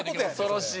恐ろしいな。